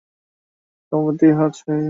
বাবা যা বলবে তাতে আমার সম্মতি আছে।